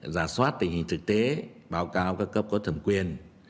giả soát tình hình thực tế báo cáo các cấp có thẩm quyền